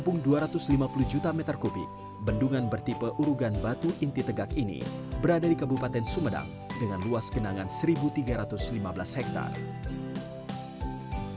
dengan empat puluh juta meter kubik bendungan bertipe urugan batu inti tegak ini berada di kabupaten sumedang dengan luas kenangan satu tiga ratus lima belas hektare